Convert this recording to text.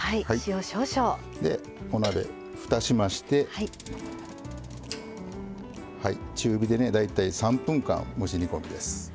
お鍋にふたをしまして中火で大体３分間蒸し煮込みです。